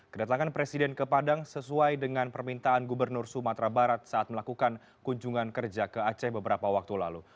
kedatangan presiden ke padang sesuai dengan permintaan gubernur sumatera barat saat melakukan kunjungan kerja ke aceh beberapa waktu lalu